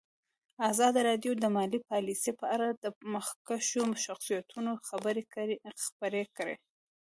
ازادي راډیو د مالي پالیسي په اړه د مخکښو شخصیتونو خبرې خپرې کړي.